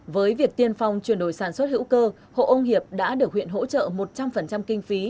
với việc tiên phong chuyển đổi sản xuất hữu cơ hộ ông hiệp đã được huyện hỗ trợ một trăm linh kinh phí